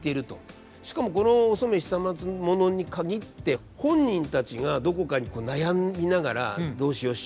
しかもこのお染久松物に限って本人たちがどこかに悩みながら「どうしよう？